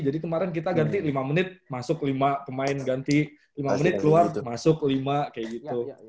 jadi kemarin kita ganti lima menit masuk lima pemain ganti lima menit keluar masuk lima kayak gitu